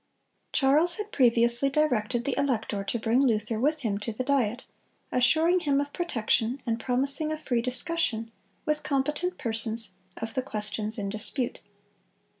Charles had previously directed the elector to bring Luther with him to the Diet, assuring him of protection, and promising a free discussion, with competent persons, of the questions in dispute.